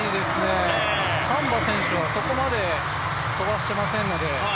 サンバ選手はそこまで飛ばしてません。